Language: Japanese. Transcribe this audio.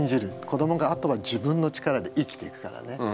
子どもがあとは自分の力で生きていくからね。